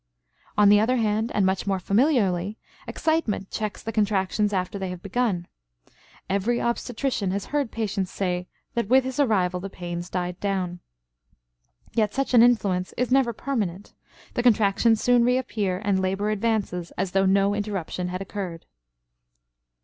On the other hand, and much more familiarly, excitement checks the contractions after they have begun. Every obstetrician has heard patients say that with his arrival the pains died down. Yet such an influence is never permanent; the contractions soon reappear, and labor advances as though no interruption had occurred.